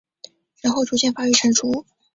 然后逐渐发育成熟。